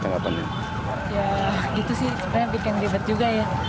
ya gitu sih sebenarnya bikin ribet juga ya